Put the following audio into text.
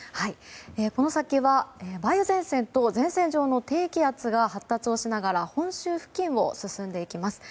この先は梅雨前線と前線上の低気圧が発達をしながら本州付近を進んでいきます。